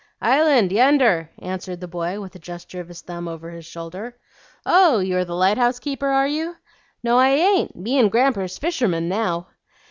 "Island, yender," answered the boy, with a gesture of his thumb over his shoulder. "Oh, you are the lighthouse keeper, are you?" "No, I ain't; me and Gramper's fishermen now."